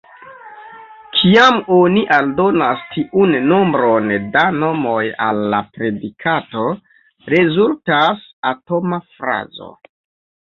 Kiam oni aldonas tiun nombron da nomoj al la predikato, rezultas atoma frazo.